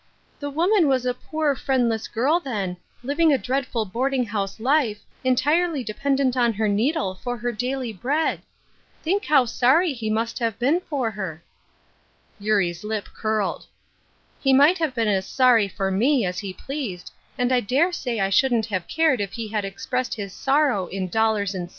" The woman was a poor, friendless girl then, living a dreadful boarding house life, entirely dependent on her needle for her daily bread. Think how sorry he must have been for her I " Eurie's lip curled. " He might have been as sorry for me as he pleased, and I dare say I sliouldn't have cared ii he had expressed his soitow in doUara and Side Issues.